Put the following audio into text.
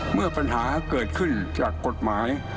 เมื่อปัญหาเกิดขึ้นจากกฎหมาย